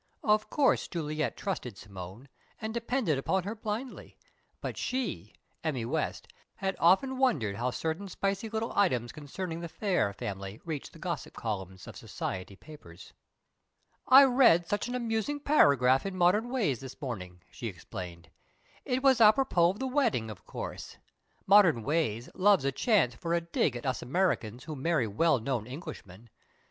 Of course Juliet trusted Simone, and depended upon her blindly; but she Emmy West had often wondered how certain spicy little items concerning the Phayre family reached the gossip columns of "society papers." "I read such an amusing paragraph in Modern Ways this morning," she explained. "It was apropos of the wedding, of course. Modern Ways loves a chance for a 'dig' at us Americans who marry well known Englishmen!